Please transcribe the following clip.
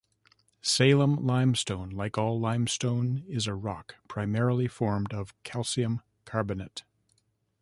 Salem limestone, like all limestone, is a rock primarily formed of calcium carbonate.